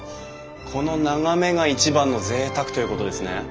この眺めが一番のぜいたくということですね。